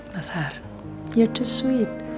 mas har kamu terlalu manis